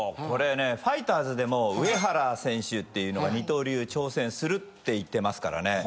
これねファイターズでも上原選手っていうのが二刀流挑戦するって言ってます。